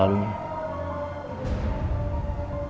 masalah di masa lalunya